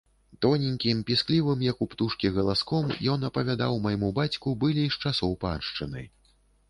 Тоненькім, пісклівым, як у птушкі, галаском ён апавядаў майму бацьку былі з часоў паншчыны.